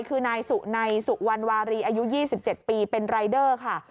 คือนายสุนัยสุวรรณวารีอายุ๒๗ปีเป็นรายเดอร์ค่ะ